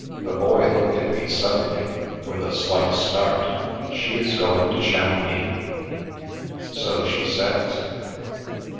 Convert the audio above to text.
The Boy looked at me suddenly, with a slight start. " She is going to Chamounix? "" So she says."